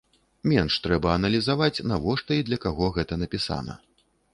Менш трэба аналізаваць, навошта і для каго гэта напісана.